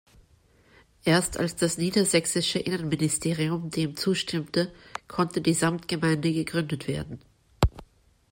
Erst als das niedersächsische Innenministerium dem zustimmte, konnte die Samtgemeinde gegründet werden.